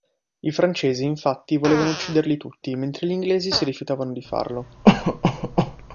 I francesi, infatti, volevano ucciderli tutti, mentre gli inglesi si rifiutavano di farlo.